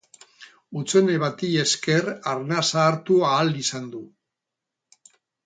Hutsune bati esker arnasa hartu ahal izan du.